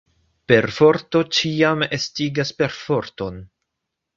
Perforto ĉiam estigas perforton.